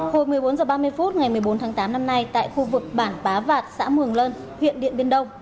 hồi một mươi bốn h ba mươi phút ngày một mươi bốn tháng tám năm nay tại khu vực bản bá vạt xã mường lân huyện điện biên đông